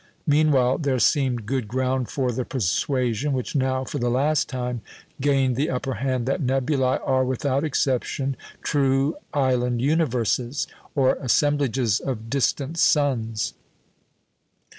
Meanwhile there seemed good ground for the persuasion, which now, for the last time, gained the upper hand, that nebulæ are, without exception, true "island universes," or assemblages of distant suns.